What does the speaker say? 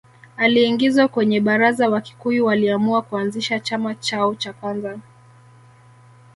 Aliingizwa kwenye Baraza Wakikuyu waliamua kuanzisha chama chao cha kwanza